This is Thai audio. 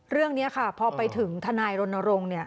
เรื่องนี้ค่ะพอไปถึงทนายรณรงค์เนี่ย